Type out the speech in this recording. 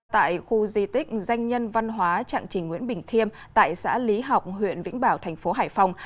tại khu di tích danh nhân văn hóa trạng trình nguyễn bình thiêm tại xã lý học huyện vĩnh bảo thành phố hải phòng